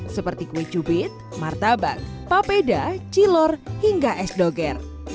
seperti kue cubit martabak papeda cilor hingga es doger